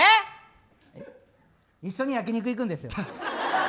一緒に焼き肉行くんです。